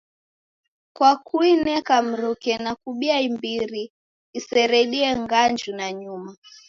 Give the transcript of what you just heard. Kwa kuineka mruke na kubia imbiri iseredie nganju nanyuma